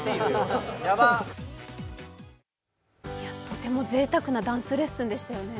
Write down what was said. とてもぜいたくなダンスレッスンでしたね。